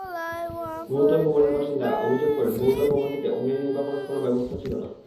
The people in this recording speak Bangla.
বহুতল ভবনের বাসিন্দারা অভিযোগ করেন, বহুতল ভবনটিতে অগ্নিনির্বাপণের কোনো ব্যবস্থা ছিল না।